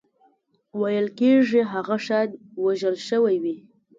ویل کېږي هغه شاید وژل شوی وي.